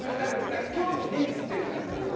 だから興味ねえっつってんじゃんっていう。